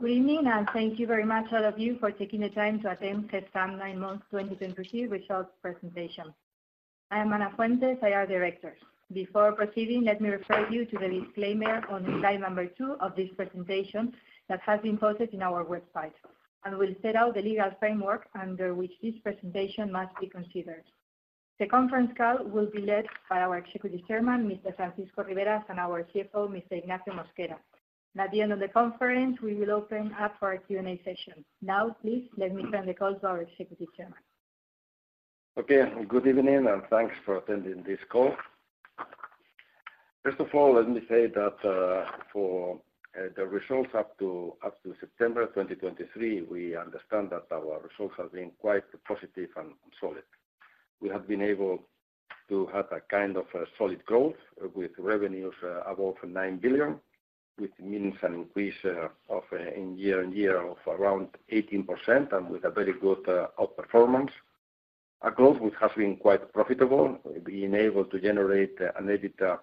Good evening, and thank you very much, all of you, for taking the time to attend this 9-month 2023 results presentation. I am Ana Fuentes, IR Director. Before proceeding, let me refer you to the disclaimer on slide number 2 of this presentation that has been posted in our website, and will set out the legal framework under which this presentation must be considered. The conference call will be led by our Executive Chairman, Mr. Francisco Riberas, and our CFO, Mr. Ignacio Mosquera. At the end of the conference, we will open up for our Q&A session. Now, please let me turn the call to our Executive Chairman. Okay. Good evening, and thanks for attending this call. First of all, let me say that, for the results up to September 2023, we understand that our results have been quite positive and solid. We have been able to have a kind of a solid growth, with revenues above 9 billion, which means an increase of around 18% year-on-year and with a very good outperformance. A growth which has been quite profitable, being able to generate an EBITDA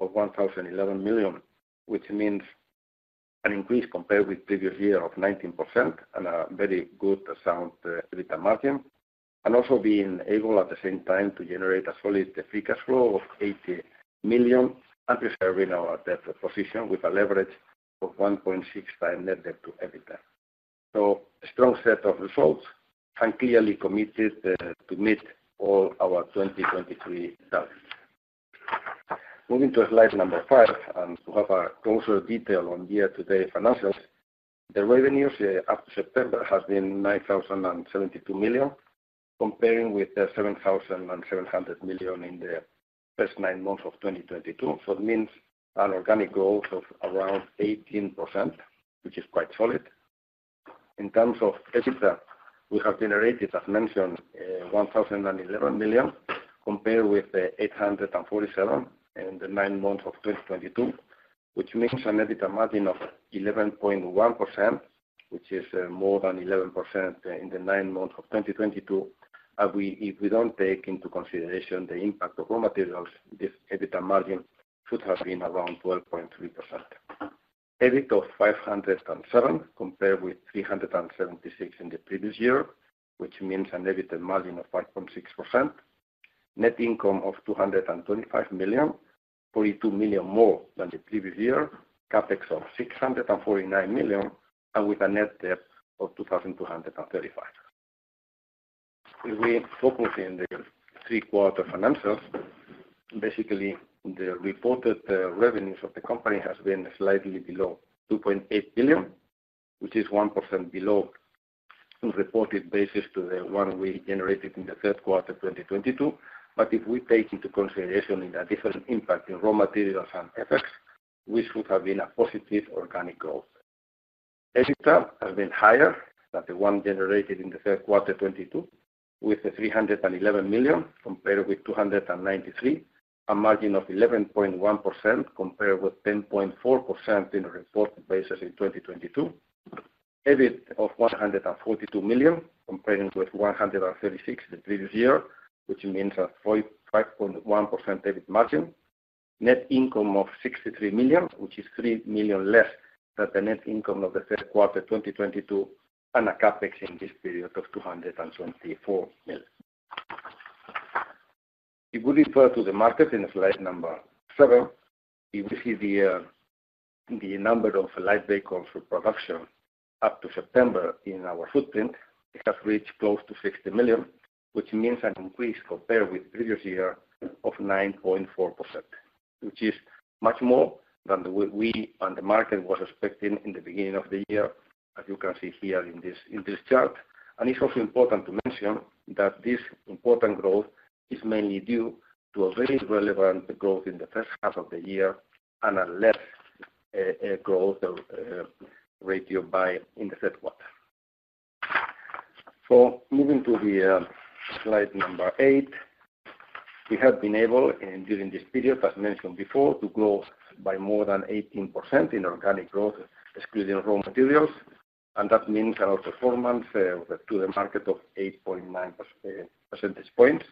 of 1,011 million, which means an increase compared with previous year of 19% and a very good, sound EBITDA margin, and also being able, at the same time, to generate a solid free cash flow of 80 million and preserving our debt position with a leverage of 1.6 times net debt to EBITDA. So a strong set of results, and clearly committed to meet all our 2023 targets. Moving to slide number 5, and to have a closer detail on year-to-date financials. The revenues up to September has been 9,072 million, comparing with the 7,700 million in the first nine months of 2022. So it means an organic growth of around 18%, which is quite solid. In terms of EBITDA, we have generated, as mentioned, 1,011 million, compared with the 847 million in the nine months of 2022, which makes an EBITDA margin of 11.1%, which is more than 11% in the nine months of 2022. If we don't take into consideration the impact of raw materials, this EBITDA margin should have been around 12.3%. EBIT of 507 million, compared with 376 million in the previous year, which means an EBIT margin of 5.6%. Net income of 225 million, 42 million more than the previous year. CapEx of 649 million, and with a net debt of 2,235 million. If we focus in the Q3 financials, basically, the reported revenues of the company has been slightly below 2.8 billion, which is 1% below reported basis to the one we generated in the Q3 2022. But if we take into consideration in a different impact in raw materials and FX, which would have been a positive organic growth. EBITDA has been higher than the one generated in the Q3 2022, with 311 million, compared with 293 million. A margin of 11.1%, compared with 10.4% on a reported basis in 2022. EBIT of 142 million, comparing with 136 million the previous year, which means a 5.1% EBIT margin. Net income of 63 million, which is 3 million less than the net income of the Q3 2022, and a CapEx in this period of 224 million. If we refer to the market in slide number 7, you will see the the number of light vehicle production up to September in our footprint. It has reached close to 60 million, which means an increase compared with previous year of 9.4%, which is much more than what we and the market was expecting in the beginning of the year, as you can see here in this chart. It's also important to mention that this important growth is mainly due to a very relevant growth in the first half of the year and a lesser growth ratio in the Q3. Moving to the slide number 8. We have been able, and during this period, as mentioned before, to grow by more than 18% in organic growth, excluding raw materials, and that means an outperformance to the market of 8.9 percentage points.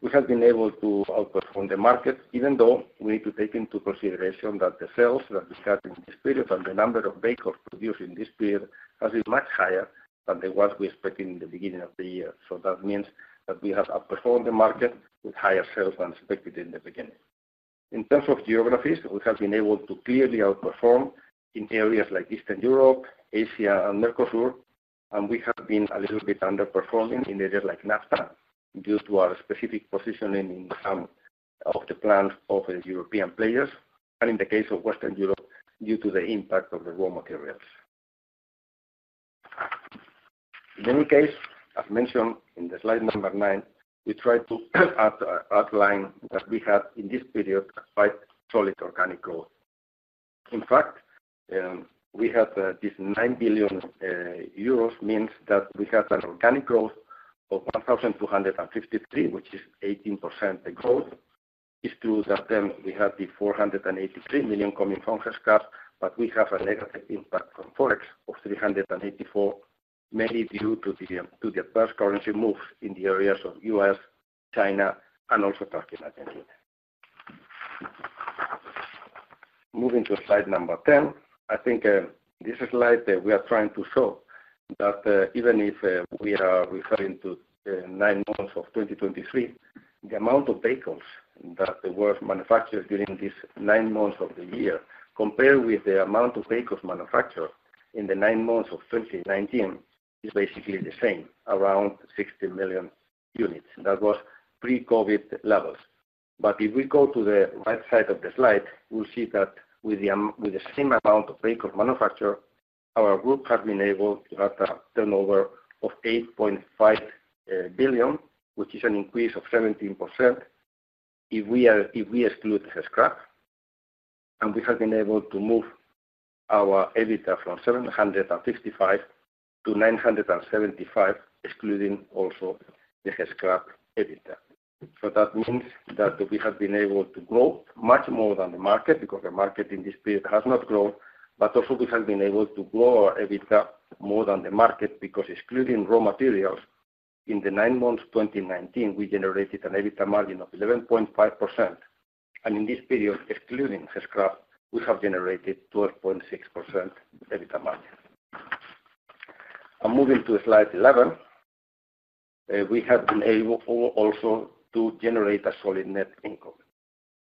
We have been able to outperform the market, even though we need to take into consideration that the sales that we had in this period and the number of vehicles produced in this period has been much higher than the ones we expected in the beginning of the year. So that means that we have outperformed the market with higher sales than expected in the beginning. In terms of geographies, we have been able to clearly outperform in areas like Eastern Europe, Asia, and Mercosur, and we have been a little bit underperforming in areas like NAFTA due to our specific positioning in some of the plants of the European players, and in the case of Western Europe, due to the impact of the raw materials. In any case, as mentioned in the slide number nine, we try to outline that we had in this period a quite solid organic growth. In fact, we had this 9 billion euros, means that we have an organic growth of 1,253 million, which is 18% growth. It's true that then we had the 483 million coming from Gescrap, but we have a negative impact from Forex of 384 million, mainly due to the first currency move in the areas of US, China, and also Turkey and Argentina. Moving to slide number ten. I think this slide, we are trying to show that even if we are referring to nine months of 2023, the amount of vehicles that were manufactured during these nine months of the year, compared with the amount of vehicles manufactured in the nine months of 2019, is basically the same, around 60 million units. That was pre-COVID levels. But if we go to the right side of the slide, we'll see that with the same amount of vehicle manufacture, our group has been able to have a turnover of 8.5 billion, which is an increase of 17%, if we exclude Gescrap, and we have been able to move our EBITDA from 755 million to 975 million, excluding also the Gescrap EBITDA. So that means that we have been able to grow much more than the market, because the market in this period has not grown, but also we have been able to grow our EBITDA more than the market, because excluding raw materials, in the 9 months, 2019, we generated an EBITDA margin of 11.5%, and in this period, excluding Gescrap, we have generated 12.6% EBITDA margin. Moving to slide 11, we have been able also to generate a solid net income.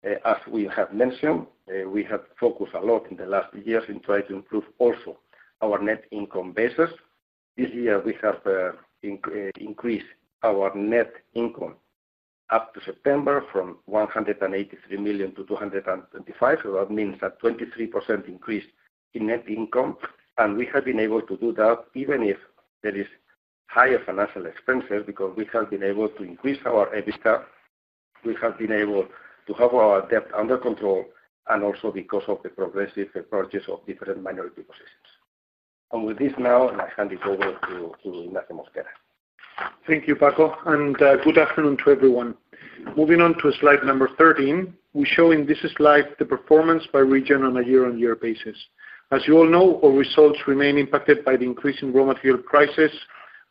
As we have mentioned, we have focused a lot in the last years in trying to improve also our net income basis. This year we have increased our net income up to September from 183 million to 225 million. So that means a 23% increase in net income, and we have been able to do that even if there is higher financial expenses, because we have been able to increase our EBITDA. We have been able to have our debt under control, and also because of the progressive approaches of different minority positions. And with this now, I hand it over to Ignacio Mosquera. Thank you, Paco, and good afternoon to everyone. Moving on to slide number 13, we show in this slide the performance by region on a year-on-year basis. As you all know, our results remain impacted by the increase in raw material prices,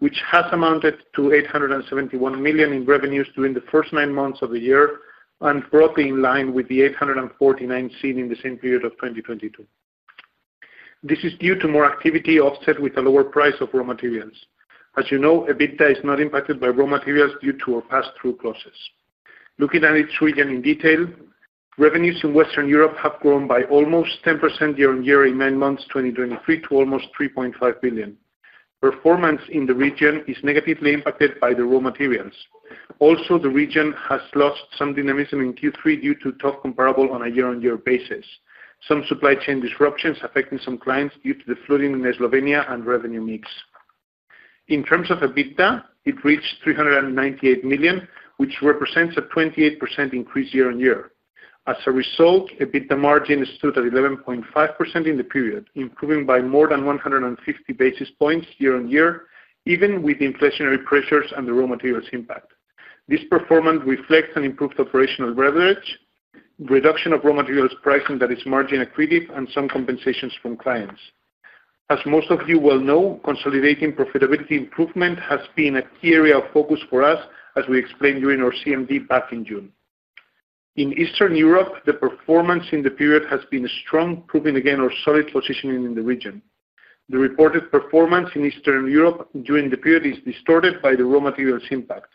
which has amounted to 871 million in revenues during the first nine months of the year, and roughly in line with the 849 million seen in the same period of 2022. This is due to more activity offset with a lower price of raw materials. As you know, EBITDA is not impacted by raw materials due to our pass-through process. Looking at each region in detail, revenues in Western Europe have grown by almost 10% year-on-year in nine months, 2023, to almost 3.5 billion. Performance in the region is negatively impacted by the raw materials. Also, the region has lost some dynamism in Q3 due to tough comparable on a year-on-year basis. Some supply chain disruptions affecting some clients due to the flooding in Slovenia and revenue mix. In terms of EBITDA, it reached 398 million, which represents a 28% increase year-on-year. As a result, EBITDA margin stood at 11.5% in the period, improving by more than 150 basis points year-on-year, even with the inflationary pressures and the raw materials impact. This performance reflects an improved operational leverage, reduction of raw materials pricing that is margin accretive, and some compensations from clients. As most of you well know, consolidating profitability improvement has been a key area of focus for us, as we explained during our CMD back in June. In Eastern Europe, the performance in the period has been strong, proving again our solid positioning in the region. The reported performance in Eastern Europe during the period is distorted by the raw materials impact.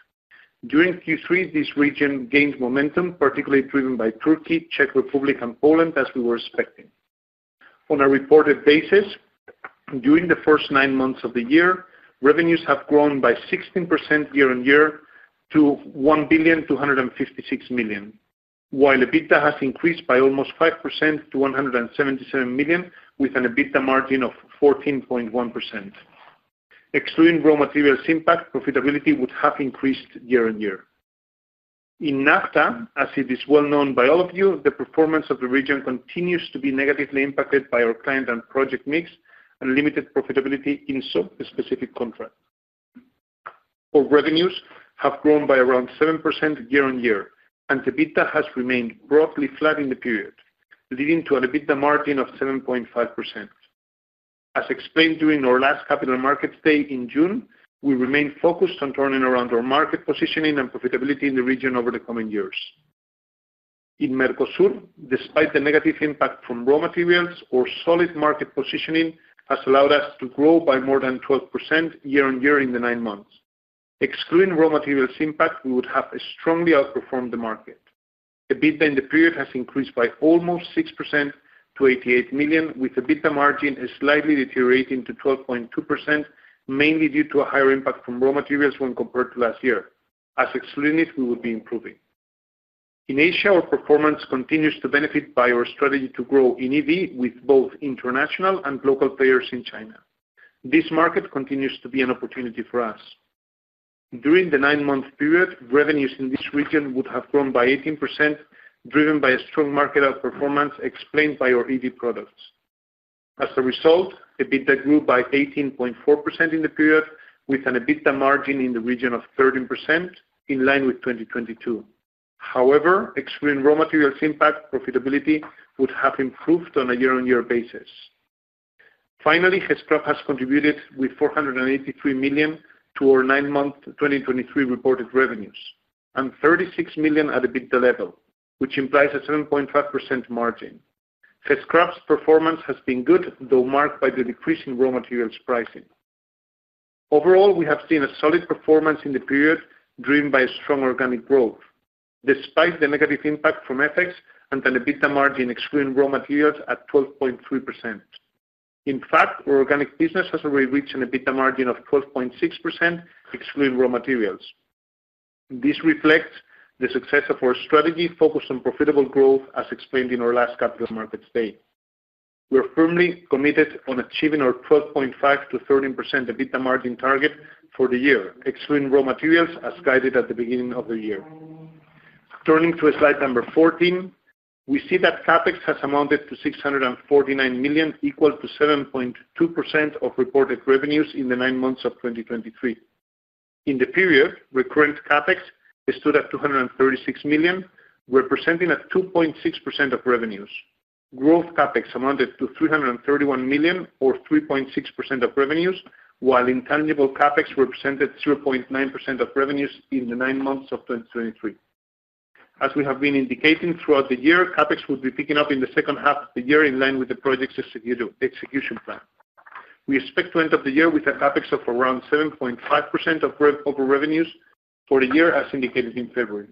During Q3, this region gained momentum, particularly driven by Turkey, Czech Republic, and Poland, as we were expecting. On a reported basis, during the first nine months of the year, revenues have grown by 16% year-on-year to 1,256 million, while EBITDA has increased by almost 5% to 177 million, with an EBITDA margin of 14.1%. Excluding raw materials impact, profitability would have increased year-on-year. In NAFTA, as it is well known by all of you, the performance of the region continues to be negatively impacted by our client and project mix, and limited profitability in some specific contracts. Our revenues have grown by around 7% year-on-year, and EBITDA has remained broadly flat in the period, leading to an EBITDA margin of 7.5%. As explained during our last Capital Markets Day in June, we remain focused on turning around our market positioning and profitability in the region over the coming years. In Mercosur, despite the negative impact from raw materials, our solid market positioning has allowed us to grow by more than 12% year-on-year in the nine months. Excluding raw materials impact, we would have strongly outperformed the market. EBITDA in the period has increased by almost 6% to 88 million, with EBITDA margin slightly deteriorating to 12.2%, mainly due to a higher impact from raw materials when compared to last year. As excluding it, we would be improving. In Asia, our performance continues to benefit by our strategy to grow in EV with both international and local players in China. This market continues to be an opportunity for us. During the nine-month period, revenues in this region would have grown by 18%, driven by a strong market outperformance explained by our EV products. As a result, EBITDA grew by 18.4% in the period, with an EBITDA margin in the region of 13%, in line with 2022. However, excluding raw materials impact, profitability would have improved on a year-on-year basis.... Finally, Gescrap has contributed with 483 million to our nine-month 2023 reported revenues, and 36 million at EBITDA level, which implies a 7.5% margin. Gescrap's performance has been good, though marked by the decrease in raw materials pricing. Overall, we have seen a solid performance in the period, driven by strong organic growth, despite the negative impact from FX and an EBITDA margin excluding raw materials at 12.3%. In fact, our organic business has already reached an EBITDA margin of 12.6%, excluding raw materials. This reflects the success of our strategy focused on profitable growth, as explained in our last Capital Markets Day. We are firmly committed on achieving our 12.5%-13% EBITDA margin target for the year, excluding raw materials, as guided at the beginning of the year. Turning to slide number 14, we see that CapEx has amounted to 649 million, equal to 7.2% of reported revenues in the nine months of 2023. In the period, recurrent CapEx stood at 236 million, representing 2.6% of revenues. Growth CapEx amounted to 331 million, or 3.6% of revenues, while intangible CapEx represented 0.9% of revenues in the nine months of 2023. As we have been indicating throughout the year, CapEx will be picking up in the second half of the year, in line with the project's execution plan. We expect to end of the year with a CapEx of around 7.5% of revenues for the year, as indicated in February.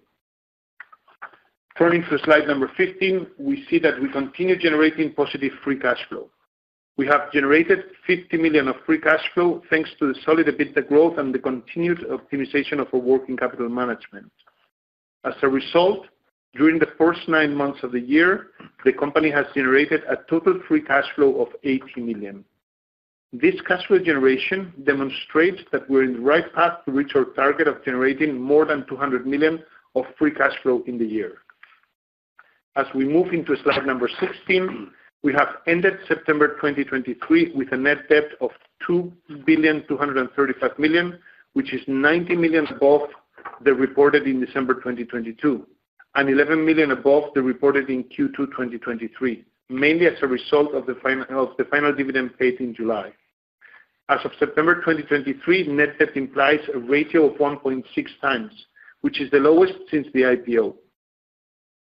Turning to slide number 15, we see that we continue generating positive free cash flow. We have generated 50 million of free cash flow, thanks to the solid EBITDA growth and the continued optimization of our working capital management. As a result, during the first 9 months of the year, the company has generated a total free cash flow of 80 million. This cash flow generation demonstrates that we're in the right path to reach our target of generating more than 200 million of free cash flow in the year. As we move into slide number 16, we have ended September 2023 with a net debt of 2.235 billion, which is 90 million above the reported in December 2022, and 11 million above the reported in Q2 2023, mainly as a result of the final dividend paid in July. As of September 2023, net debt implies a ratio of 1.6 times, which is the lowest since the IPO.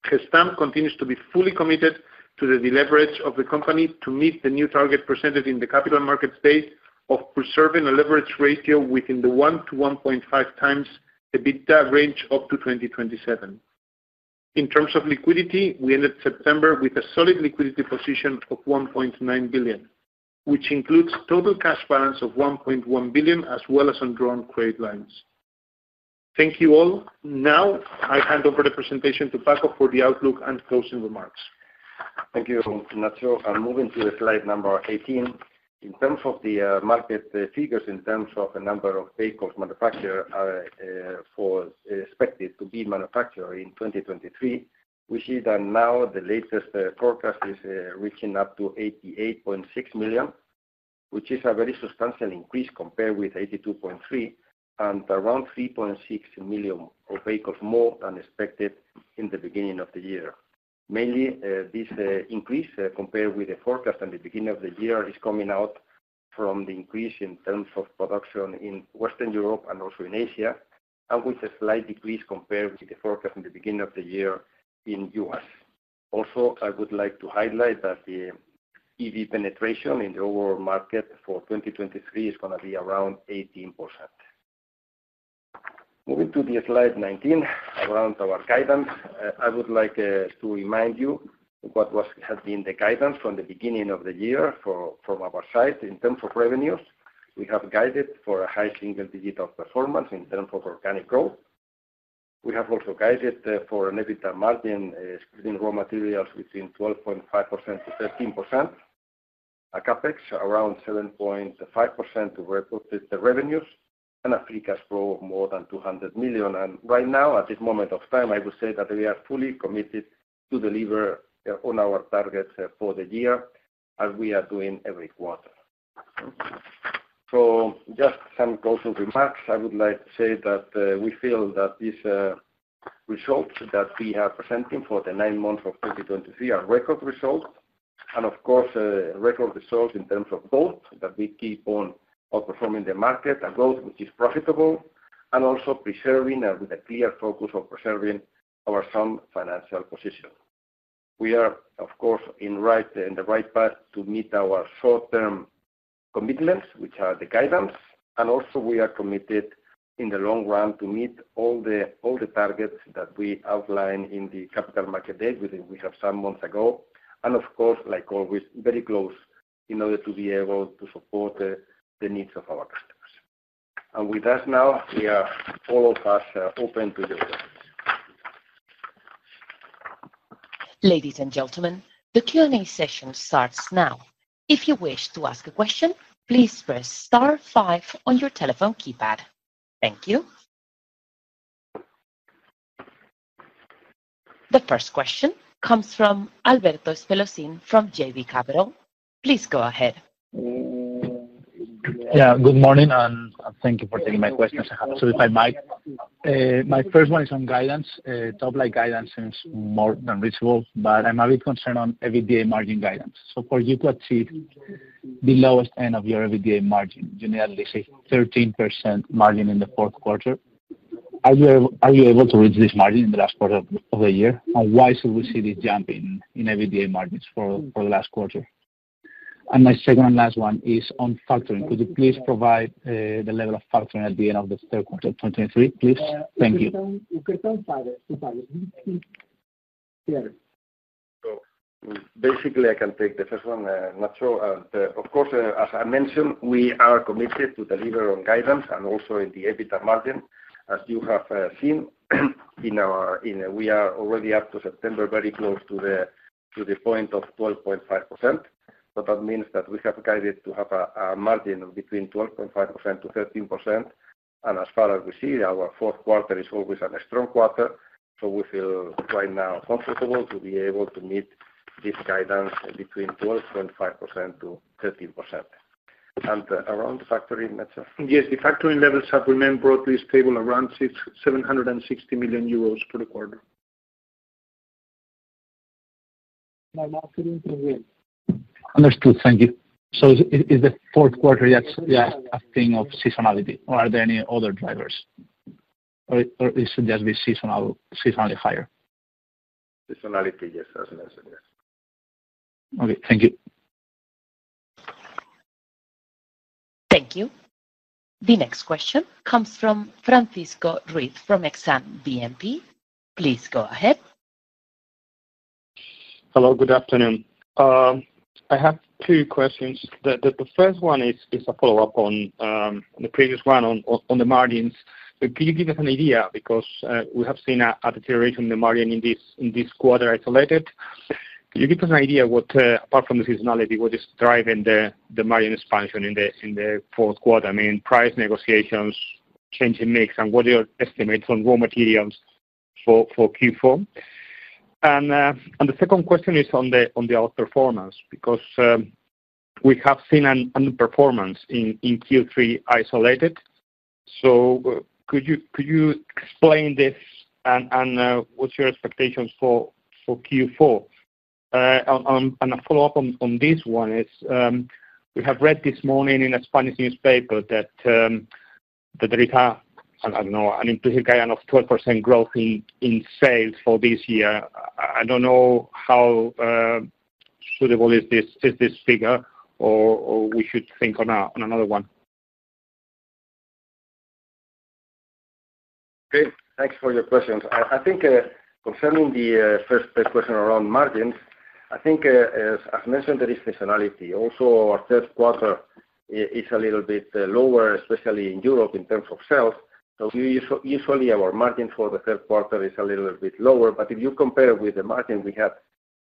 Gestamp continues to be fully committed to the deleverage of the company to meet the new target presented in the capital market space, of preserving a leverage ratio within the 1-1.5x EBITDA range up to 2027. In terms of liquidity, we ended September with a solid liquidity position of 1.9 billion, which includes total cash balance of 1.1 billion, as well as undrawn credit lines. Thank you, all. Now, I hand over the presentation to Paco for the outlook and closing remarks. Thank you, Ignacio. Moving to the slide number 18. In terms of the market figures, in terms of the number of vehicles manufacturers are expected to manufacture in 2023, we see that now the latest forecast is reaching up to 88.6 million, which is a very substantial increase compared with 82.3, and around 3.6 million of vehicles more than expected in the beginning of the year. Mainly, this increase, compared with the forecast at the beginning of the year, is coming out from the increase in terms of production in Western Europe and also in Asia, and with a slight decrease compared with the forecast in the beginning of the year in US. Also, I would like to highlight that the EV penetration in the overall market for 2023 is gonna be around 18%. Moving to the slide 19, around our guidance. I would like to remind you what has been the guidance from the beginning of the year from our side. In terms of revenues, we have guided for a high single-digit performance in terms of organic growth. We have also guided for an EBITDA margin, excluding raw materials, between 12.5%-13%. A CapEx around 7.5% of reported revenues, and a free cash flow of more than 200 million. Right now, at this moment of time, I would say that we are fully committed to deliver on our targets for the year, as we are doing every quarter. Just some closing remarks. I would like to say that we feel that these results that we are presenting for the nine months of 2023 are record results. Of course, record results in terms of growth, that we keep on outperforming the market, a growth which is profitable, and also preserving with a clear focus of preserving our sound financial position. We are, of course, in the right path to meet our short-term commitments, which are the guidance. We are committed in the long run to meet all the targets that we outlined in the Capital Markets Day we have some months ago, and of course, like always, very close in order to be able to support the needs of our customers. And with that, now we are, all of us, open to the questions. Ladies and gentlemen, the Q&A session starts now. If you wish to ask a question, please press star five on your telephone keypad. Thank you. The first question comes from Alberto Espelosín from JB Capital. Please go ahead. ... Yeah, good morning, and thank you for taking my questions. I have two, if I might. My first one is on guidance. Top-line guidance seems more than reachable, but I'm a bit concerned on EBITDA margin guidance. So for you to achieve the lowest end of your EBITDA margin, you nearly say 13% margin in the Q4, are you able to reach this margin in the last quarter of the year? And why should we see this jump in EBITDA margins for the last quarter? And my second and last one is on factoring. Could you please provide the level of factoring at the end of the Q3 2023, please? Thank you. So basically, I can take the first one, not sure. Of course, as I mentioned, we are committed to deliver on guidance and also in the EBITDA margin. As you have seen in our. We are already up to September, very close to the point of 12.5%. So that means that we have guided to have a margin of between 12.5%-13%, and as far as we see, our Q4 is always a strong quarter, so we feel right now comfortable to be able to meet this guidance between 12.5%-13%. And around the factoring matter? Yes, the factoring levels have remained broadly stable around 670 million euros per quarter. Understood. Thank you. So is the Q4, yeah, a thing of seasonality, or are there any other drivers? Or it should just be seasonal, seasonally higher? Seasonality, yes, as I said, yes. Okay. Thank you. Thank you. The next question comes from Francisco Ruiz from Exane BNP. Please go ahead. Hello, good afternoon. I have two questions. The first one is a follow-up on the previous one on the margins. Could you give us an idea, because we have seen a deterioration in the margin in this quarter isolated. Can you give us an idea what apart from the seasonality, what is driving the margin expansion in the Q4? I mean, price negotiations, change in mix, and what are your estimates on raw materials for Q4? And the second question is on the outperformance, because we have seen an underperformance in Q3 isolated. So could you explain this, and what's your expectations for Q4? A follow-up on this one is, we have read this morning in a Spanish newspaper that there is a, I don't know, an implicit guidance of 12% growth in sales for this year. I don't know how suitable is this figure, or we should think on another one. Okay, thanks for your questions. I think, concerning the first question around margins, I think, as mentioned, there is seasonality. Also, our Q3 is a little bit lower, especially in Europe, in terms of sales. So we usually our margin for the Q3 is a little bit lower, but if you compare with the margin we had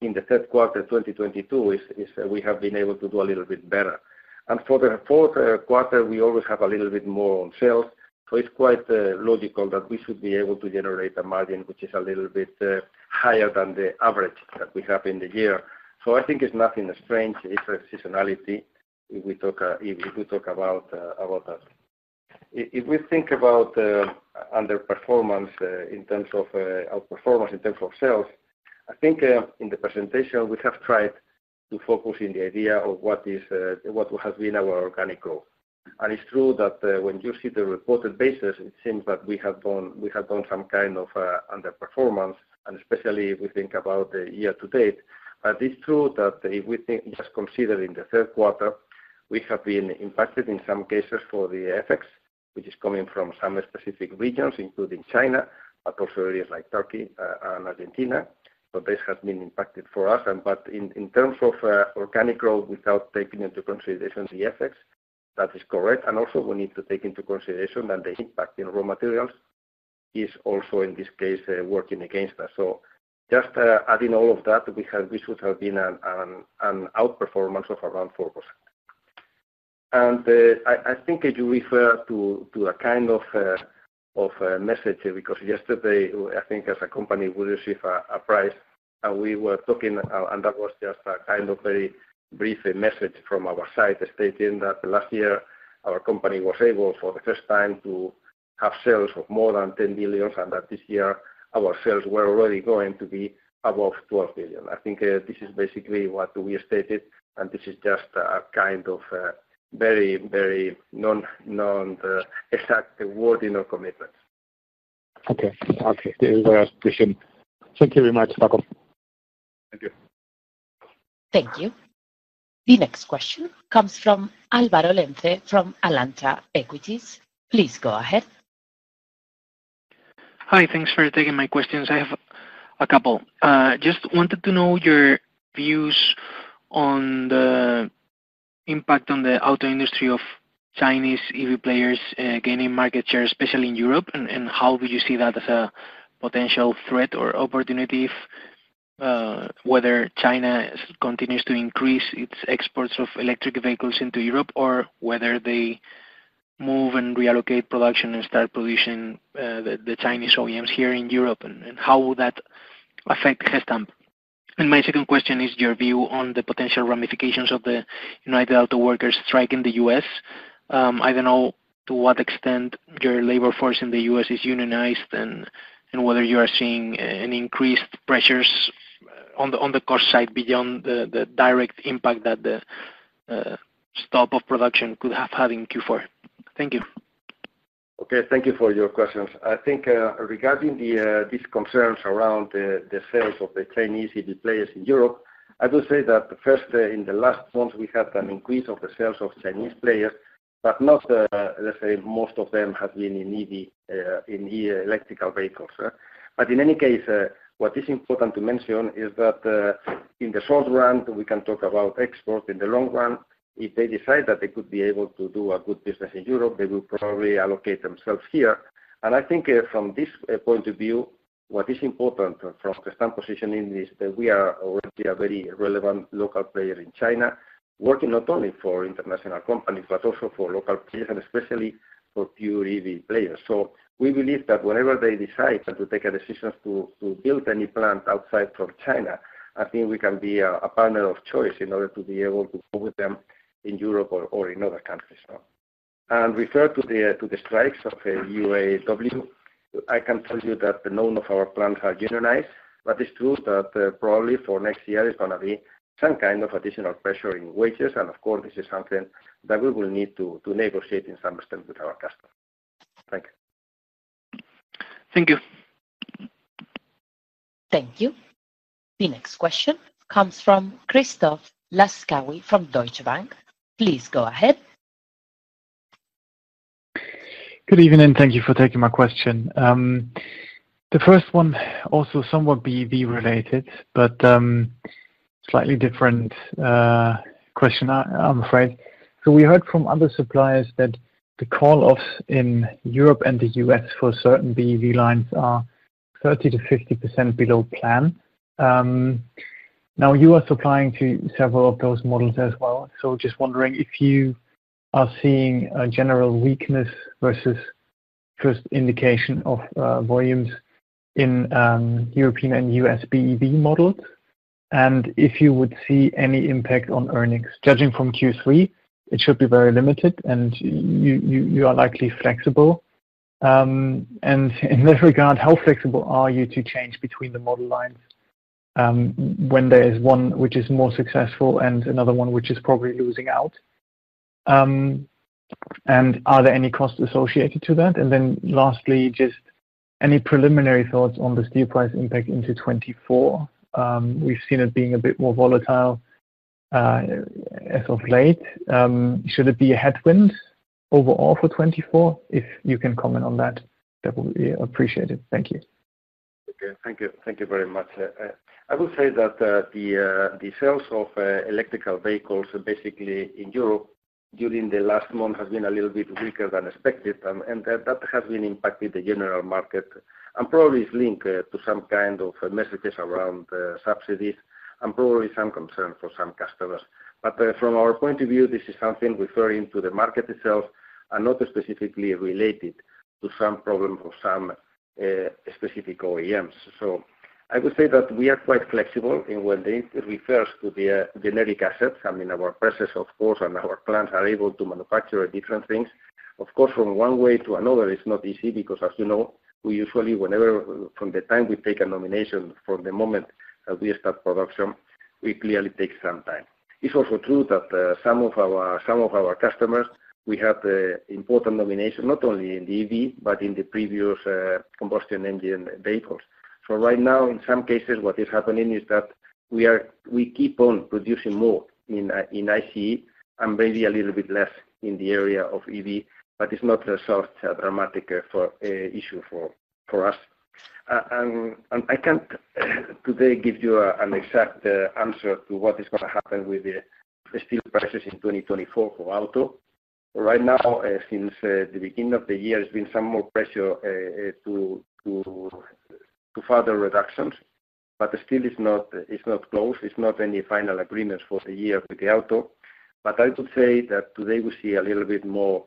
in the Q3 2022, we have been able to do a little bit better. And for the Q4, we always have a little bit more on sales, so it's quite logical that we should be able to generate a margin which is a little bit higher than the average that we have in the year. So I think it's nothing strange. It's a seasonality if we talk about that. If we think about underperformance in terms of outperformance in terms of sales, I think in the presentation we have tried to focus in the idea of what is what has been our organic growth. And it's true that when you see the reported basis, it seems that we have done some kind of underperformance, and especially if we think about the year to date. But it's true that if we think just considering the Q3, we have been impacted in some cases for the FX, which is coming from some specific regions, including China, but also areas like Turkey and Argentina. So this has been impacted for us. But in terms of organic growth, without taking into consideration the FX, that is correct. And also, we need to take into consideration that the impact in raw materials is also, in this case, working against us. So just adding all of that, we have... We should have been an outperformance of around 4%. And I think if you refer to a kind of a message, because yesterday, I think as a company, we received a prize, and we were talking, and that was just a kind of very brief message from our side, stating that last year, our company was able, for the first time, to have sales of more than 10 billion, and that this year, our sales were already going to be above 12 billion. I think, this is basically what we stated, and this is just a kind of, very, very non-exact wording or commitment. Okay. Okay. It was as we seen. Thank you very much, Paco. Thank you. Thank you. The next question comes from Álvaro Lenze from Alantra Equities. Please go ahead. Hi, thanks for taking my questions. I have a couple. Just wanted to know your views on the impact on the auto industry of Chinese EV players gaining market share, especially in Europe, and how would you see that as a potential threat or opportunity if whether China continues to increase its exports of electric vehicles into Europe or whether they-... move and reallocate production and start producing the Chinese OEMs here in Europe, and how will that affect Gestamp? My second question is your view on the potential ramifications of the United Auto Workers strike in the US. I don't know to what extent your labor force in the US is unionized and whether you are seeing an increased pressures on the cost side beyond the direct impact that the stop of production could have had in Q4. Thank you. Okay, thank you for your questions. I think, regarding these concerns around the sales of the Chinese EV players in Europe, I would say that first, in the last month, we had an increase of the sales of Chinese players, but not, let's say most of them have been in EV, in electrical vehicles. But in any case, what is important to mention is that, in the short run, we can talk about export. In the long run, if they decide that they could be able to do a good business in Europe, they will probably allocate themselves here. I think, from this point of view, what is important from Gestamp positioning is that we are already a very relevant local player in China, working not only for international companies, but also for local players and especially for pure EV players. So we believe that whenever they decide to take a decision to, to build any plant outside of China, I think we can be a, a partner of choice in order to be able to go with them in Europe or, or in other countries. Referring to the, to the strikes of UAW, I can tell you that none of our plants are unionized, but it's true that, probably for next year, it's gonna be some kind of additional pressure in wages. And of course, this is something that we will need to, to negotiate to some extent with our customers. Thank you. Thank you. Thank you. The next question comes from Christoph Laskawi from Deutsche Bank. Please go ahead. Good evening, and thank you for taking my question. The first one, also somewhat BEV related, but slightly different question, I'm afraid. So we heard from other suppliers that the call offs in Europe and the U.S. for certain BEV lines are 30%-50% below plan. Now, you are supplying to several of those models as well. So just wondering if you are seeing a general weakness versus first indication of volumes in European and U.S. BEV models, and if you would see any impact on earnings. Judging from Q3, it should be very limited, and you are likely flexible. And in this regard, how flexible are you to change between the model lines, when there is one which is more successful and another one which is probably losing out? And are there any costs associated to that? And then lastly, just any preliminary thoughts on the steel price impact into 2024? We've seen it being a bit more volatile, as of late. Should it be a headwind overall for 2024? If you can comment on that, that would be appreciated. Thank you. Okay, thank you. Thank you very much. I would say that the sales of electric vehicles, basically in Europe during the last month, has been a little bit weaker than expected. And that has been impacting the general market and probably is linked to some kind of messages around subsidies and probably some concern for some customers. But from our point of view, this is something referring to the market itself and not specifically related to some problem of some specific OEMs. So I would say that we are quite flexible in when it refers to the dedicated assets. I mean, our process, of course, and our plants are able to manufacture different things. Of course, from one way to another, it's not easy because, as you know, we usually... Whenever from the time we take a nomination, from the moment we start production, we clearly take some time. It's also true that some of our customers, we have important nomination, not only in EV, but in the previous combustion engine vehicles. So right now, in some cases, what is happening is that we keep on producing more in ICE and maybe a little bit less in the area of EV, but it's not a sort of dramatic issue for us. And I can't today give you an exact answer to what is gonna happen with the steel prices in 2024 for auto. Right now, since the beginning of the year, there's been some more pressure to further reductions, but still it's not closed. It's not any final agreement for the year with the auto. But I would say that today we see a little bit more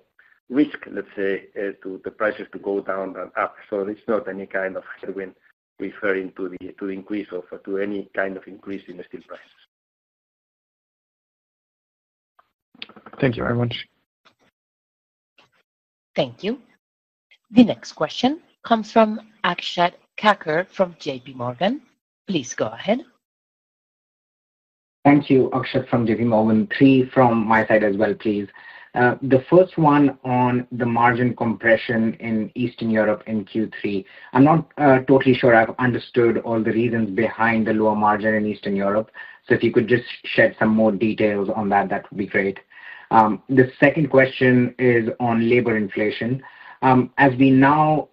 risk, let's say, to the prices to go down than up. So it's not any kind of headwind referring to the increase of any kind of increase in the steel prices. Thank you very much. Thank you. The next question comes from Akash Gupta from JP Morgan. Please go ahead. Thank you. Akash from J.P. Morgan. Three from my side as well, please. The first one on the margin compression in Eastern Europe in Q3. I'm not totally sure I've understood all the reasons behind the lower margin in Eastern Europe, so if you could just shed some more details on that, that would be great. The second question is on labor inflation. As we now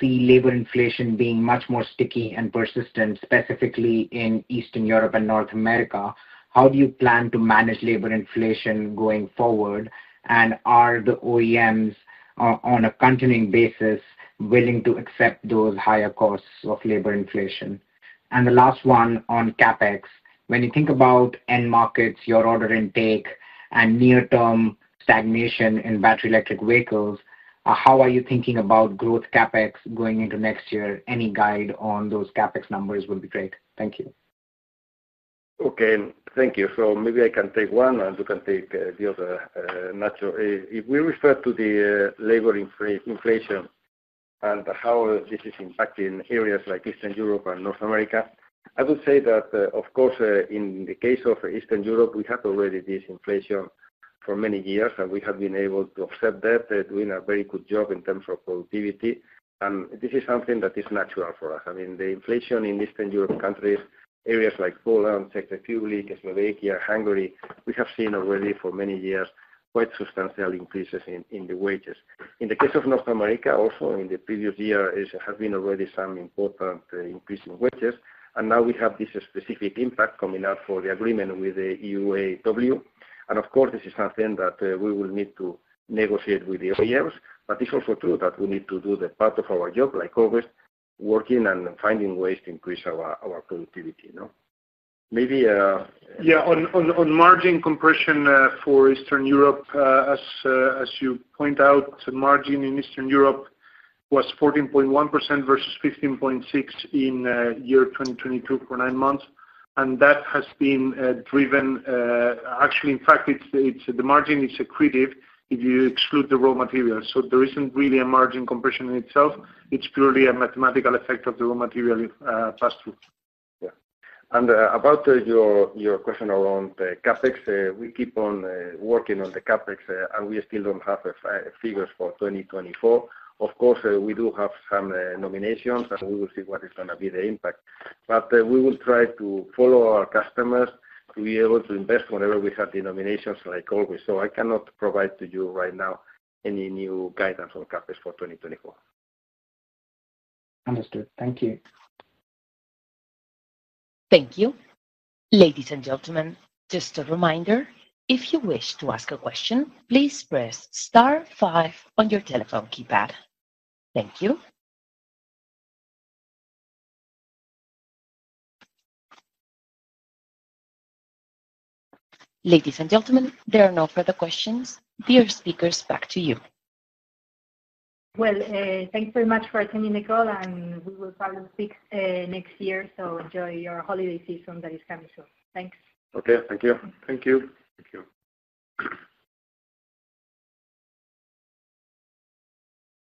see labor inflation being much more sticky and persistent, specifically in Eastern Europe and North America, how do you plan to manage labor inflation going forward? And are the OEMs on a continuing basis willing to accept those higher costs of labor inflation? And the last one on CapEx. When you think about end markets, your order intake, and near-term stagnation in battery electric vehicles, how are you thinking about growth CapEx going into next year? Any guide on those CapEx numbers will be great. Thank you. Okay, thank you. So maybe I can take one, and you can take the other, Nacho. If we refer to the labor inflation and how this is impacting areas like Eastern Europe and North America, I would say that of course, in the case of Eastern Europe, we have already this inflation for many years, and we have been able to offset that, doing a very good job in terms of productivity. And this is something that is natural for us. I mean, the inflation in Eastern Europe countries, areas like Poland, Czech Republic, Slovakia, Hungary, we have seen already for many years, quite substantial increases in the wages. In the case of North America, also in the previous year, it has been already some important increase in wages, and now we have this specific impact coming out for the agreement with the UAW. And of course, this is something that, we will need to negotiate with the OEMs, but it's also true that we need to do the part of our job like always, working and finding ways to increase our, our productivity, no? Maybe, Yeah, on margin compression for Eastern Europe, as you point out, margin in Eastern Europe was 14.1% versus 15.6% in year 2022 for nine months, and that has been driven. Actually, in fact, it's the margin is accretive if you exclude the raw materials. So there isn't really a margin compression in itself, it's purely a mathematical effect of the raw material pass-through. Yeah. About your question around the CapEx, we keep on working on the CapEx, and we still don't have figures for 2024. Of course, we do have some nominations, and we will see what is gonna be the impact. But, we will try to follow our customers to be able to invest whenever we have the nominations, like always. So I cannot provide to you right now any new guidance on CapEx for 2024. Understood. Thank you. Thank you. Ladies and gentlemen, just a reminder, if you wish to ask a question, please press star five on your telephone keypad. Thank you. Ladies and gentlemen, there are no further questions. Dear speakers, back to you. Well, thanks very much for attending the call, and we will probably speak next year, so enjoy your holiday season that is coming soon. Thanks. Okay. Thank you. Thank you. Thank you.